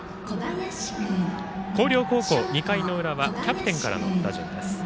広陵高校、２回の裏はキャプテンからの打順です。